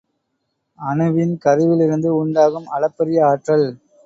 அணுவின் கருவிலிருந்து உண்டாகும் அளப்பரிய ஆற்றல்.